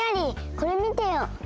これ見てよ。